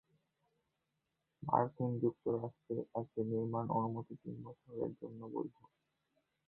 মার্কিন যুক্তরাষ্ট্রে, একটি নির্মাণ অনুমতি তিন বছরের জন্য বৈধ।